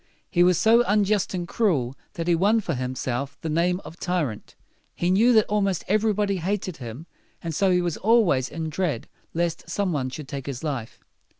He was so unjust and cruel that he won for himself the name of tyrant. He knew that almost everybody hated him, and so he was always in dread lest some one should take his life.